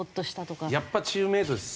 やっぱチームメイトです。